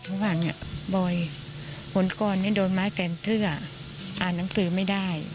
เขาว่าเนี่ยปล่อยหลนกรเนี่ยโดนไม้แสนเสื้ออ่านหนังสือไม่ได้